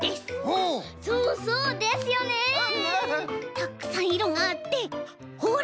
たくさんいろがあってほら！